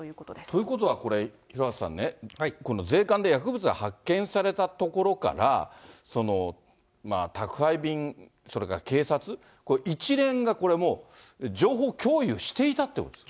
ということは、廣畑さんね、この税関で薬物が発見されたところから、宅配便、それから警察、一連がもう情報共有していたってことですか。